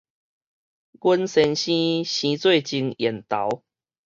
阮先生生做真緣投